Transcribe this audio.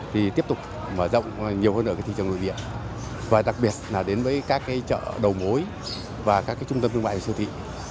thì tiếp tục mở rộng nhiều hơn ở cái thị trường nội địa và đặc biệt là đến với các cái chợ đầu mối và các trung tâm thương mại của siêu thị